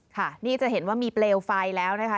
ค่ะนี่จะเห็นว่ามีเปลวไฟแล้วนะคะ